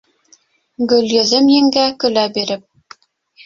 Гөлйөҙөм еңгә, көлә биреп: